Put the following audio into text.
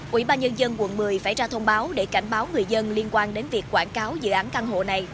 ủy ban nhân dân quận một mươi phải ra thông báo để cảnh báo người dân liên quan đến việc quảng cáo dự án căn hộ này